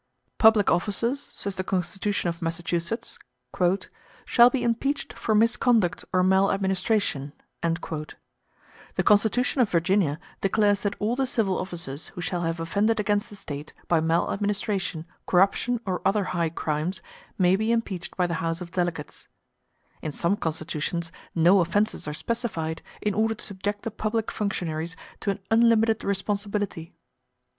"Public officers," says the Constitution of Massachusetts, *b "shall be impeached for misconduct or maladministration;" the Constitution of Virginia declares that all the civil officers who shall have offended against the State, by maladministration, corruption, or other high crimes, may be impeached by the House of Delegates; in some constitutions no offences are specified, in order to subject the public functionaries to an unlimited responsibility.